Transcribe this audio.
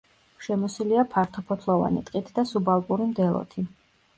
შემოსილია ფართოფოთლოვანი ტყით და სუბალპური მდელოთი.